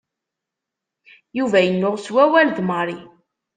Yuba yennuɣ s wawal d Mary.